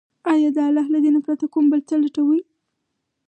آيا د الله له دين پرته كوم بل څه لټوي،